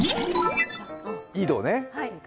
井戸ね。